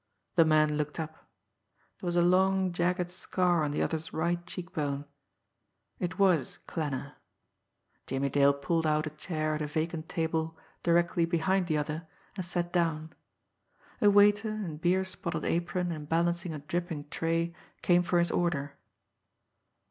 The man looked up. There was a long, jagged scar on the other's right cheek bone. It was Klanner. Jimmie Dale pulled out a chair at a vacant table directly behind the other, and sat down. A waiter, in beer spotted apron and balancing a dripping tray, came for his order.